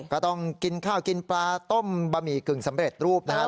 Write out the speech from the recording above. ก็ต้องกินข้าวกินปลาต้มบะหมี่กึ่งสำเร็จรูปนะครับ